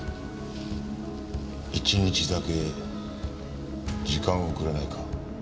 １日だけ時間をくれないか？